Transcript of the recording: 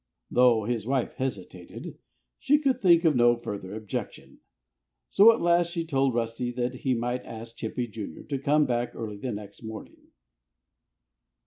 Though his wife hesitated, she could think of no further objection. So at last she told Rusty that he might ask Chippy, Jr., to come back early the next morning.